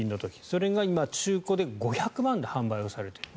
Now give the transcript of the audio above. それが今、中古で５００万で販売されていると。